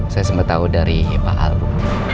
saya sempat tahu dari pak al bu